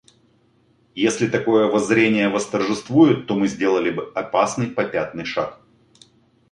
Если такое воззрение восторжествует, то мы сделали бы опасный попятный шаг.